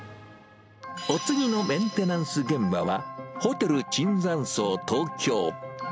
お次のメンテナンス現場は、ホテル椿山荘東京。